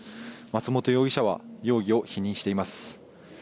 松本容疑者は容疑を否認しています。